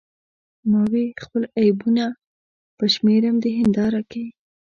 ما وې خپل عیبونه به شمیرم د هنداره کې